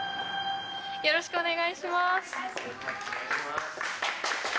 よろしくお願いします。